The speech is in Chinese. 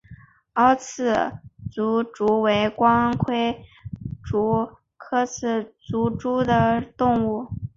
凹刺足蛛为光盔蛛科刺足蛛属的动物。